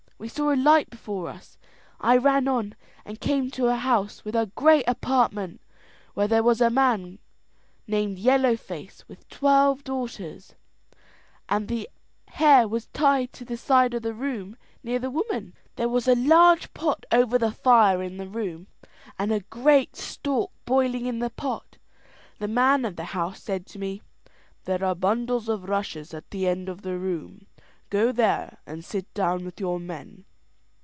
We saw a light before us. I ran on, and came to a house with a great apartment, where there was a man named Yellow Face with twelve daughters, and the hare was tied to the side of the room near the women. "There was a large pot over the fire in the room, and a great stork boiling in the pot. The man of the house said to me: 'There are bundles of rushes at the end of the room, go there and sit down with your men!'